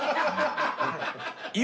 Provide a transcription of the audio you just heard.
今！？